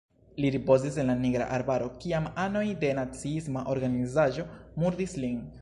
Li ripozis en la Nigra Arbaro, kiam anoj de naciisma organizaĵo murdis lin.